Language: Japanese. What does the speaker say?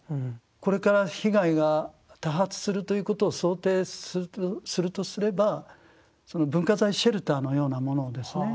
これから被害が多発するということを想定するとすれば文化財シェルターのようなものをですね